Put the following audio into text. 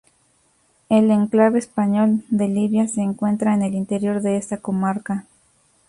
El enclave español de Llivia se encuentra en el interior de esta comarca.